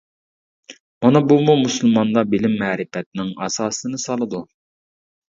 مانا بۇمۇ مۇسۇلماندا بىلىم-مەرىپەتنىڭ ئاساسىنى سالىدۇ.